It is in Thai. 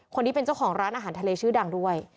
คนนี้เป็นเจ้าของร้านอาหารทะเลชื่อดังด้วย